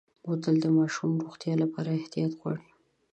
بوتل د ماشومو روغتیا لپاره احتیاط غواړي.